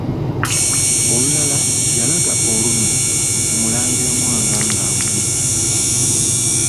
Olulala yalaga olunwe ku Mulangira Mwanga ng'amuyita.